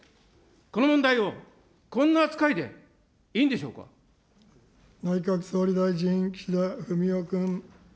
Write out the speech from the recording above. この問題を、こんな扱いでいいん内閣総理大臣、岸田文雄君。